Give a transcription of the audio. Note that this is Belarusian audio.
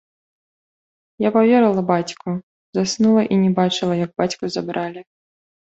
Я паверыла бацьку, заснула і не бачыла, як бацьку забралі.